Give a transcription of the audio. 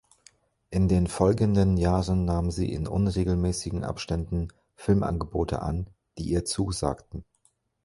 In den folgenden Jahren nahm sie in unregelmäßigen Abständen Filmangebote an, die ihr zusagten.